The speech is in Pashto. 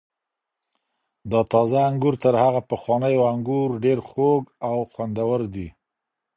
دا تازه انګور تر هغو پخوانیو انګور ډېر خوږ او خوندور دي.